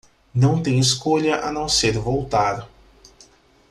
Não tenho escolha a não ser voltar.